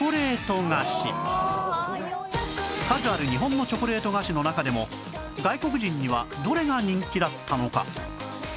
数ある日本のチョコレート菓子の中でも外国人にはどれが人気だったのか？